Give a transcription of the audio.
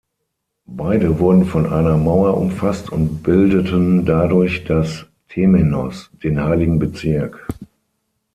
Beide wurden von einer Mauer umfasst und bildeten dadurch das "temenos", den heiligen Bezirk.